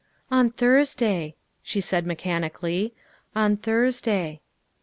" On Thursday," she said mechanically, " on Thurs day."